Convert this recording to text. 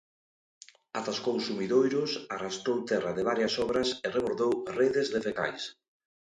Atascou sumidoiros, arrastrou terra de varias obras e rebordou redes de fecais.